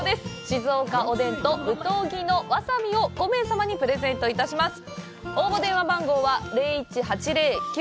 静岡おでん、有東木のわさびを５名様にプレゼントいたします。